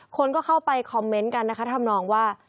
คนก็เข้าไปคอมเมนต์กันนะคะทำนองว่า